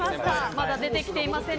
まだ出てきていません